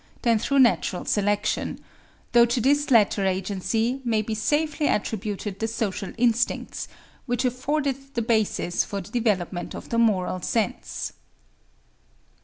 than through natural selection; though to this latter agency may be safely attributed the social instincts, which afforded the basis for the development of the moral sense.